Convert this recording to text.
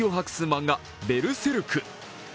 漫画「ベルセルク」。